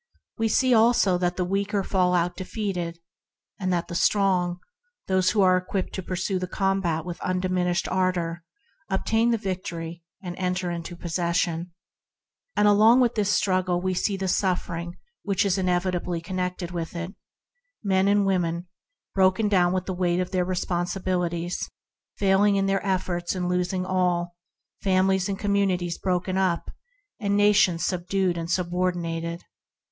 We see, also, that the weaker fall out defeated, and that the strong — those equipped to pursue the combat with undiminished ardor — obtain the victory, and enter into pos session. Along with this struggle we see the suffering inevitably connected with it : men and women, broken down with the weight of their responsibilities, failing in their efforts and losing all; families and communities broken up, and nations subdued and subordinated.